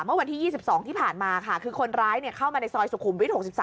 เมื่อวันที่๒๒ที่ผ่านมาค่ะคือคนร้ายเข้ามาในซอยสุขุมวิท๖๓